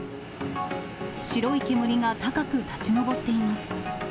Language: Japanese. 白い煙が高く立ち上っています。